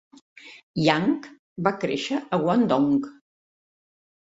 Yang va créixer a Guangdong.